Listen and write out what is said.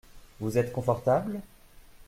Vous êtes confortable ?